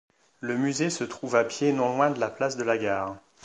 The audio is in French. Le musée se trouve à pied non loin de la place de la Gare.